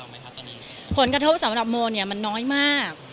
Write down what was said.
มีผลกระทบด้วยเราไหมคะตอนนี้ผลกระทบสำหรับโมเนี้ยมันน้อยมาก